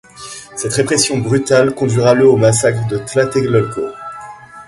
Cette répression brutale conduira le au massacre de Tlatelolco.